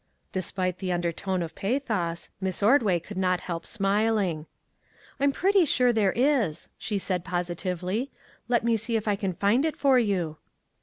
Despite the undertone of pathos, Miss Ordway could not help smiling. " I am pretty sure there is," she said positively; "let me see if I can find it for you."